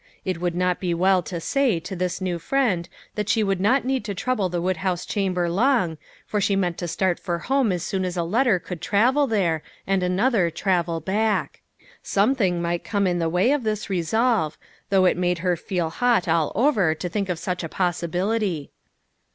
It might not be well to say to this new friend that she would not need to trouble the woodhouse chamber long, for she meant to start for home as soon as a let ter could travel there, and another travel back. 68 LITTLE FISHEES : AND THEIR NETS. Something might come in the way of this re solve, though it made her feel hot all over to think of such a possibility.